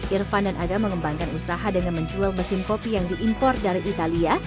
irfan dan aga mengembangkan usaha dengan menjual mesin kopi yang diimpor dari italia